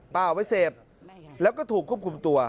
เอาไว้เสพแล้วก็ถูกควบคุมตัว